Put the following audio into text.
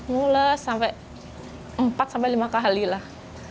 mules sampai empat lima kali lah